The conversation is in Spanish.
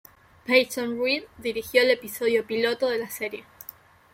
Peyton Reed dirigió el episodio "Piloto" de la serie.